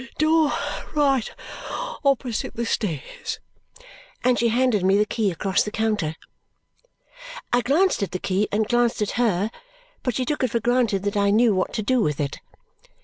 Door right opposite the stairs." And she handed me the key across the counter. I glanced at the key and glanced at her, but she took it for granted that I knew what to do with it.